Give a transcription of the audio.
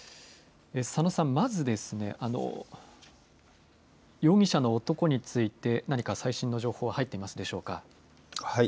佐野さん、まず容疑者の男について何か最新の情報は入っていますでしょうか。